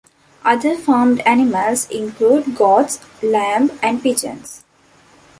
Other farmed animals include goats, lamb and pigeons.